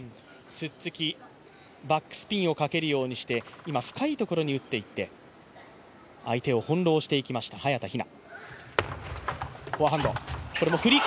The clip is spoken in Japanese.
ツッツキ、バックスピンをかけるようにして深いところに打っていって相手を翻弄していきました、早田ひな。